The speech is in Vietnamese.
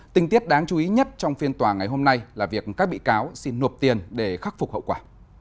tình tiết đáng chú ý nhất trong phiên tòa ngày hôm nay là việc các bị cáo xin nộp tiền để khắc phục hậu quả